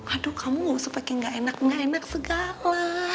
aduh kamu ngusut pake nggak enak nggak enak segala